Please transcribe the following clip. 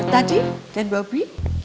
tadi dan bobby